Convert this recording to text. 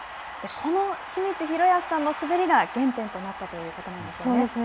この清水宏保さんの滑りが原点となったということなんですそうですね。